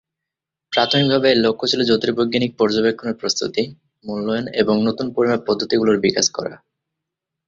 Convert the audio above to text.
প্রাথমিকভাবে এর লক্ষ্য ছিল জ্যোতির্বৈজ্ঞানিক পর্যবেক্ষণের প্রস্তুতি, মূল্যায়ন এবং নতুন পরিমাপ পদ্ধতিগুলোর বিকাশ করা।